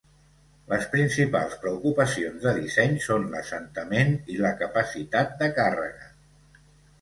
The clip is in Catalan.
Les principals preocupacions de disseny són l'assentament i la capacitat de càrrega.